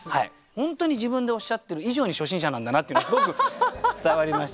本当に自分でおっしゃってる以上に初心者なんだなっていうのすごく伝わりました。